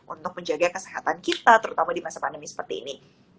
untuk menjaga kesehatan kita terutama di masa pandemi seperti ini